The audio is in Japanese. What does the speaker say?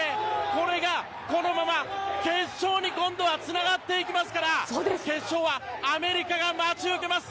これがこのまま決勝に今度はつながっていきますから決勝はアメリカが待ち受けます。